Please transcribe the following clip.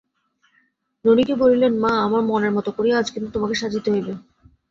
ননিকে বলিলেন, মা, আমার মনের মতো করিয়া আজ কিন্তু তোমাকে সাজিতে হইবে।